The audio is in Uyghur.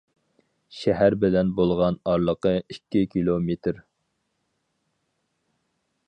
شەھەر بىلەن بولغان ئارىلىقى ئىككى كىلومېتىر.